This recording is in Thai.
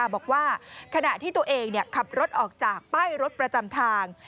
บอกว่าขณะที่ตัวเองขับรถออกจากป้ายรถประจำทาง